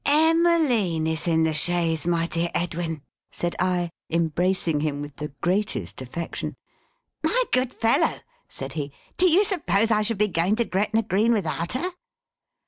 "Emmeline is in the chaise, my dear Edwin!" said I, embracing him with the greatest affection. "My good fellow!" said he, "do you suppose I should be going to Gretna Green without her?"